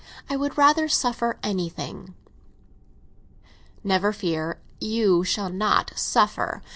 I would rather suffer anything." "Never fear; you shall not suffer.